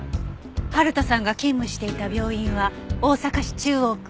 春田さんが勤務していた病院は大阪市中央区。